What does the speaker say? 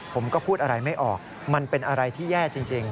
ผมก็พูดอะไรไม่ออกมันเป็นอะไรที่แย่จริง